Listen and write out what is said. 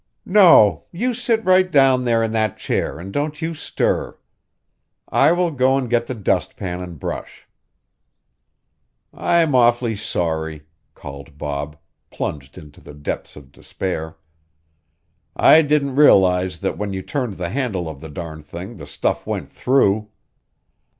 "No. You sit right down there in that chair and don't you stir. I will go and get the dustpan and brush." "I'm awfully sorry," called Bob, plunged into the depths of despair. "I didn't realize that when you turned the handle of the darn thing the stuff went through."